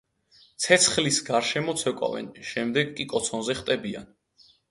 ცეცხლის გარშემო ცეკვავენ, შემდეგ კი კოცონზე ხტებიან.